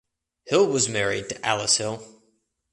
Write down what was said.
Hill was married to Alice Hill.